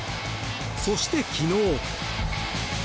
そして、昨日。